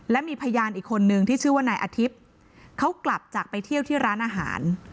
และมีพยานอีกคนนึงที่ชื่อว่านายอาทิตย์เขากลับจากไปเที่ยวที่ร้านอาหาร